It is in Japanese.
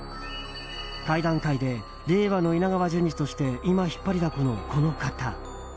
怪談界で令和の稲川淳二として今引っ張りだこの、この方。